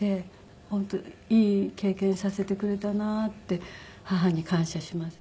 本当いい経験させてくれたなって母に感謝しますね今。